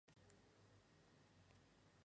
El padre tenía una empresa de seda.